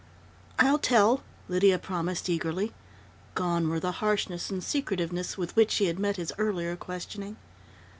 "I'll tell," Lydia promised eagerly. Gone were the harshness and secretiveness with which she had met his earlier questioning....